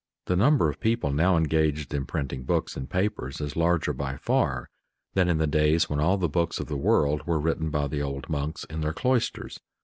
The number of people now engaged in printing books and papers is larger by far than in the days when all the books of the world were written by the old monks in their cloisters.